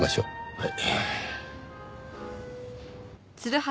はい。